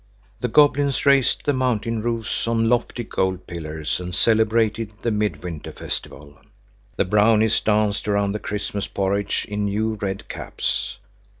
The goblins raised the mountain roofs on lofty gold pillars and celebrated the midwinter festival. The brownies danced around the Christmas porridge in new red caps.